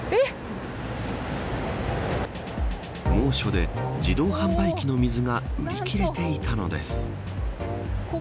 猛暑で、自動販売機の水が売り切れていたのです。